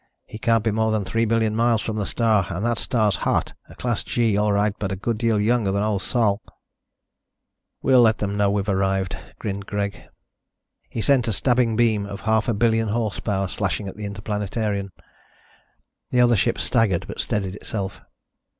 "He can't be more than three billion miles from the star and that star's hot. A class G, all right, but a good deal younger than old Sol." "We'll let them know we've arrived," grinned Greg. He sent a stabbing beam of half a billion horsepower slashing at the Interplanetarian. The other ship staggered but steadied itself.